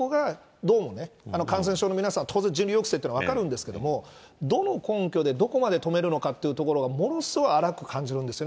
そこがどうも感染症の皆さん、当然人流抑制分かるけど、どういう根拠で、どこまで止めるのかというところがものすごく荒く感じるんですよね。